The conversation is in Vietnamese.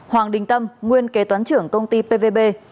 hoàng đình tâm nguyên kế toán trưởng công ty pvb